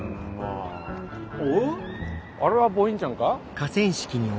あれはボインちゃんか？